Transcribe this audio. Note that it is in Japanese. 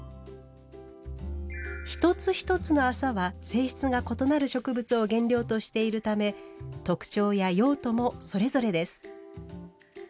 一つ一つの麻は性質が異なる植物を原料としているため特徴や用途もそれぞれです。